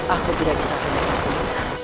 aku tidak bisa menghentikan diri sendiri